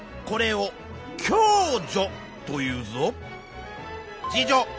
これを共助というぞ。